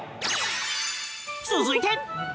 続いて。